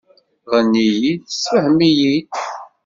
Ɣenni-iyi-d, ssefhem-iyi-d